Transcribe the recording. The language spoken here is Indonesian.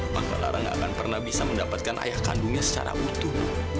maka lara gak akan pernah bisa mendapatkan ayah kandungnya secara utuh